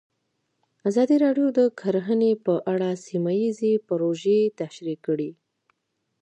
ازادي راډیو د کرهنه په اړه سیمه ییزې پروژې تشریح کړې.